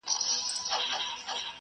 ماشوم به سبا په خپله ژبه پوښتنې وکړي.